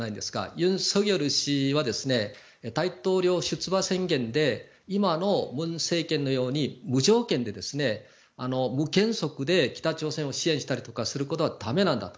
ユン・ソクヨル氏は大統領出馬宣言で今の文政権のように無条件で無原則で北朝鮮を支援したりすることはだめなんだと。